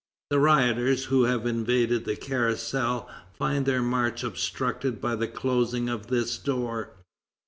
The rioters, who have invaded the Carrousel, find their march obstructed by the closing of this door.